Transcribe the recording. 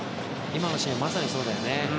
今のシーンはまさにそうだよね。